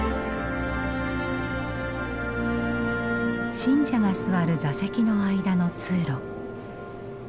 信者が座る座席の間の通路。